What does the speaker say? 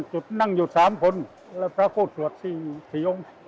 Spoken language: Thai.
จุดอยู่๓คนแล้วพระโคตรสวดที่ภิโภค